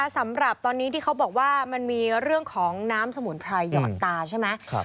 สำหรับตอนนี้ที่เขาบอกว่ามันมีเรื่องของน้ำสมุนไพรหยอดตาใช่ไหม